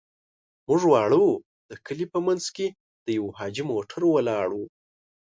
موږ واړه وو، د کلي په منځ کې د يوه حاجي موټر ولاړ و.